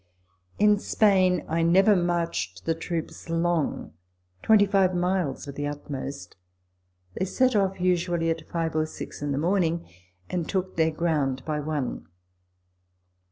In Spain I never marched the troops long. Twenty five miles were the utmost. They set off, usually, at five or six in the morning, and took their ground by one.